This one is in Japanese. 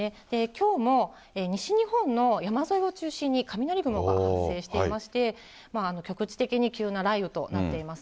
きょうも西日本の山沿いを中心に雷雲が発生していまして、局地的に急な雷雨となっています。